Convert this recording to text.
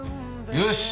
よし！